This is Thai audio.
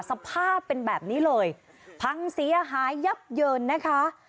สภาพเป็นแบบนี้เลยพังเสียหายยับเยินนะคะ